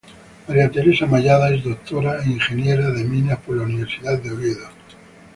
María Teresa Mallada es Doctor e Ingeniera de Minas por la Universidad de Oviedo.